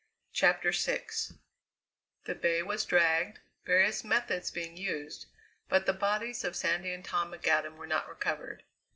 CHAPTER VI The bay was dragged, various methods being used, but the bodies of Sandy and Tom McAdam were not recovered.